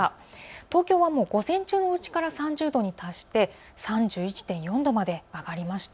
東京は午前中のうちから３０度に達して３１．４度まで上がりました。